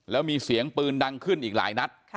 แล้วมีเสียงปืนดังขึ้นอีกหลายนัด